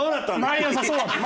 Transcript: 毎朝そうだったの？